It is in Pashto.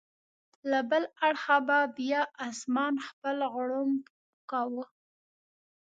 له بل اړخه به بیا اسمان خپل غړومب کاوه.